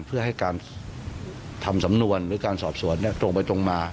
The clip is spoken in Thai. เพื่อให้การทำสำนวนหรือการสอบสวนตรงไปตรงมา